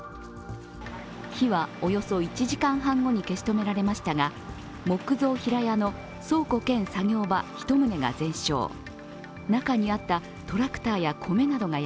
火はおよそ１時間半後に消し止められましたが、木造平屋の倉庫兼作業場１棟が全焼。